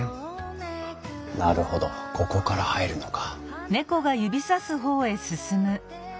なるほどここから入るのか。